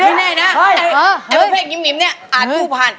เดี๋ยวนี่แน่นะไอ้พ่อเพื่อนยิ้มเนี่ยอ่าทูพ่าน